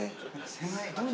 狭い。